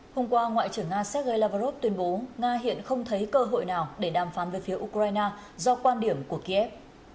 hôm qua ngoại trưởng nga sergei lavrov tuyên bố nga hiện không thấy cơ hội nào để đàm phán về phía ukraine do quan điểm của kiev